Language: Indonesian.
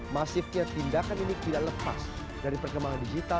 masifnya tindakan ini tidak lepas dari perkembangan digital